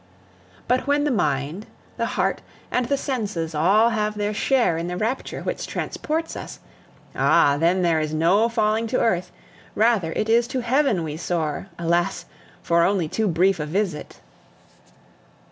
But when the mind, the heart, and the senses all have their share in the rapture which transports us ah! then there is no falling to earth, rather it is to heaven we soar, alas! for only too brief a visit.